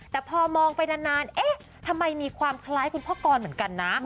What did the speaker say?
แต่พอมองไปนานเอ๊ะทำไมมีความคล้ายคุณพ่อกรเหมือนกันนะ